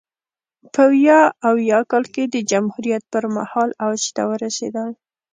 په ویا اویا کال کې د جمهوریت پرمهال اوج ته ورسېدل.